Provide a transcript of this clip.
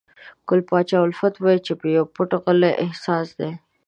ګل پاچا الفت وایي چې پو پټ غلی احساس دی.